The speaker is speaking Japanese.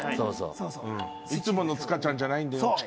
いつもの塚ちゃんじゃないんだよ。